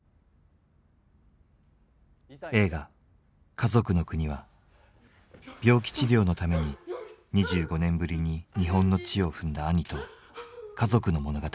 映画「かぞくのくに」は病気治療のために２５年ぶりに日本の地を踏んだ兄と家族の物語。